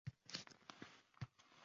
Soyasidan tog’ battar muzlar